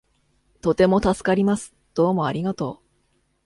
とても助かります。どうもありがとう